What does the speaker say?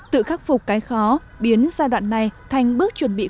tự khắc phục cái khó biến giai đoạn này thành bước chuẩn bị